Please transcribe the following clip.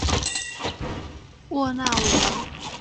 莫纳维尔。